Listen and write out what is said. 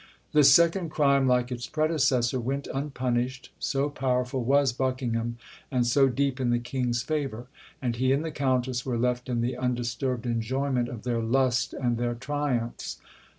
This second crime, like its predecessor, went unpunished, so powerful was Buckingham, and so deep in the King's favour; and he and the Countess were left in the undisturbed enjoyment of their lust and their triumphs.